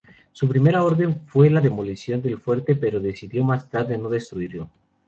Su primera orden fue la demolición del fuerte, pero decidió más tarde no destruirlo.